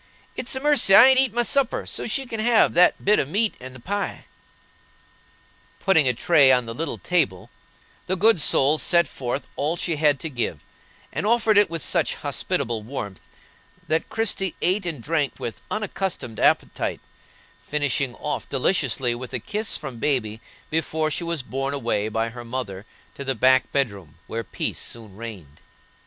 It's a mercy I ain't eat my supper, so she can have that bit of meat and the pie." Putting a tray on the little table, the good soul set forth all she had to give, and offered it with such hospitable warmth that Christie ate and drank with unaccustomed appetite, finishing off deliciously with a kiss from baby before she was borne away by her mother to the back bedroom, where peace soon reigned.